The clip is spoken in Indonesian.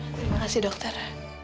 terima kasih dokter